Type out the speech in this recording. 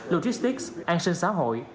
logistics an sinh xã hội